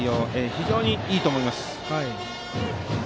非常にいいと思います。